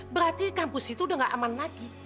berarti kampus itu udah gak aman lagi